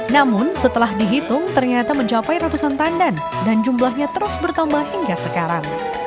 namun setelah dihitung ternyata mencapai ratusan tandan dan jumlahnya terus bertambah hingga sekarang